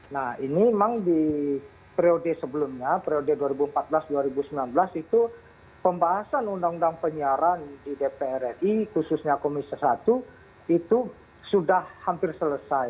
nah ini memang di periode sebelumnya periode dua ribu empat belas dua ribu sembilan belas itu pembahasan undang undang penyiaran di dpr ri khususnya komisi satu itu sudah hampir selesai